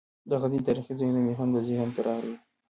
د غزني تاریخي ځایونه مې هم ذهن ته راغلل.